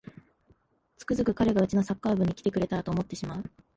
つくづく彼がうちのサッカー部に来てくれたらと思ってしまう